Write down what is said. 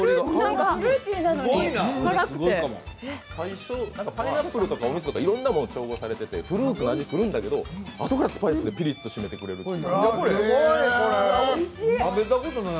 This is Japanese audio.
パイナップルとかいろんなものを調合されててフルーツの味、するんだけどあとからスパイスでピリッと締めてくれる。